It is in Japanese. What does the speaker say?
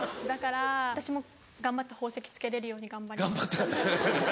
だから私も頑張って宝石着けれるように頑張ります。